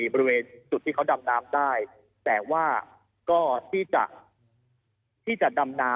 บริเวณจุดที่เขาดำน้ำได้แต่ว่าก็ที่จะที่จะดำนา